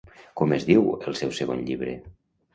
Com es diu el seu segon llibre?